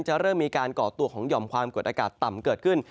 เริ่มมีการก่อตัวของหย่อมความกดอากาศต่ำเกิดขึ้น